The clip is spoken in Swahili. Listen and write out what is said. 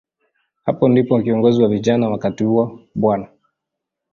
Hapo ndipo kiongozi wa vijana wakati huo, Bw.